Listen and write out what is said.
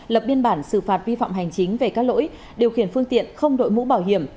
lập biên bản xử phạt vi phạm hành chính về các lỗi điều khiển phương tiện không đội mũ bảo hiểm